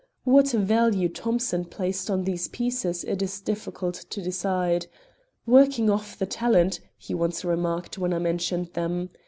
What value Thomson placed on these pieces it is difficult to decide. "Working off the talent," he once remarked when I mentioned them.